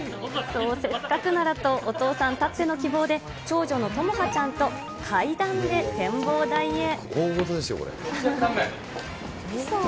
そう、せっかくならと、お父さんたっての希望で長女の智羽ちゃんと階段で展望台へ。